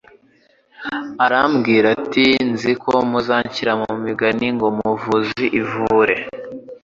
Arababwira ati : Nzi ko muzanshira uyu mugani ngo :"Muvuzi wivure."